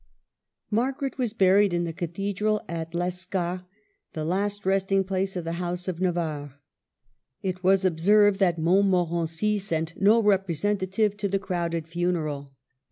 Margaret was buried in the cathedral at Les car, the last resting place of the House of Navarre. It was observed that Montmorency sent no representative to the crowded funeral.